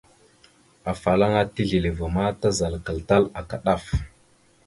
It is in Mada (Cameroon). Afalaŋa tisleváma, tazalakal tal aka ɗaf.